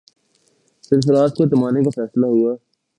سرفراز کو تھمانے کا فیصلہ ہوا۔